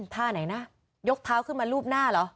ท่าไหนนะยกเท้าขึ้นมารูปหน้าเหรอ